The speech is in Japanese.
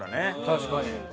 確かに。